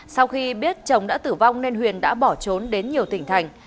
sau khi biết chồng đã tử vong nên huyền đã bỏ trốn đến nhiều tỉnh thành